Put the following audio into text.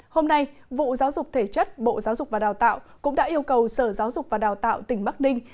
hôm nay vụ giáo dục thể chất bộ giáo dục và đào tạo cũng đã yêu cầu sở giáo dục và đào tạo tỉnh bắc ninh